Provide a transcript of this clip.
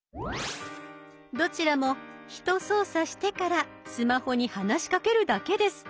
どちらもひと操作してからスマホに話しかけるだけです。